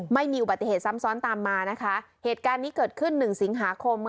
ไม่มีอุบัติเหตุซ้ำซ้อนตามมานะคะเหตุการณ์นี้เกิดขึ้นหนึ่งสิงหาคม